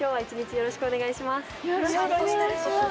よろしくお願いします。